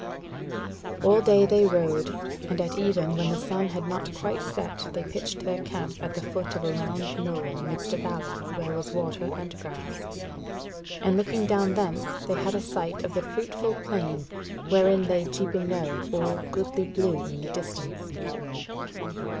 All day they rode, and at even when the sun had not quite set, they pitched their camp at the foot of a round knoll amidst a valley where was water and grass; and looking down thence, they had a sight of the fruitful plain, wherein lay Cheaping Knowe all goodly blue in the distance.